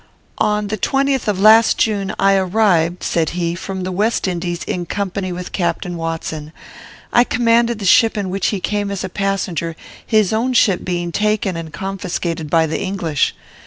"'On the 20th of last June, I arrived,' said he, 'from the West Indies, in company with Captain Watson. I commanded the ship in which he came as a passenger, his own ship being taken and confiscated by the English.